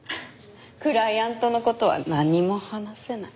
クライアントの事は何も話せない。